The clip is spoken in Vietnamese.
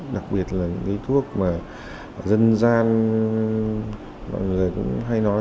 đặc biệt là những cái thuốc mà dân gian mọi người cũng hay nói